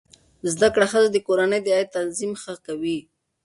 زده کړه ښځه د کورنۍ د عاید تنظیم ښه کوي.